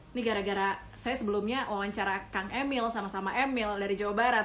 ini gara gara saya sebelumnya wawancara kang emil sama sama emil dari jawa barat